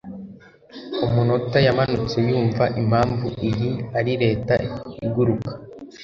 Umunota yamanutse yumva impamvu iyi ari leta iguruka.